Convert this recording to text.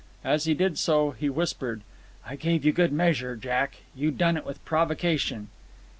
As he did so, he whispered—"I gave you good measure, Jack. You done it with provocation."